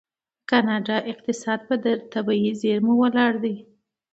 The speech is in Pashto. د کاناډا اقتصاد په طبیعي زیرمو ولاړ دی.